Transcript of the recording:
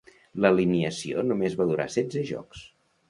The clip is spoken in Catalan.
L"alineació només va durar setze jocs.